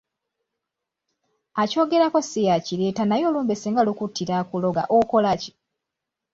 Akyogerako si y'akireeta naye olumbe singa lukuttira akuloga okola ki?